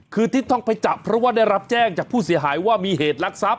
คือที่ต้องไปจับเพราะว่าได้รับแจ้งจากผู้เสียหายว่ามีเหตุลักษัพ